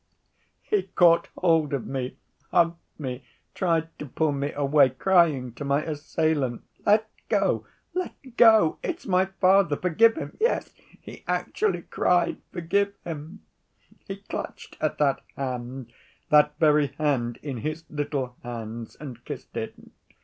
He caught hold of me, hugged me, tried to pull me away, crying to my assailant, 'Let go, let go, it's my father, forgive him!'—yes, he actually cried 'forgive him.' He clutched at that hand, that very hand, in his little hands and kissed it....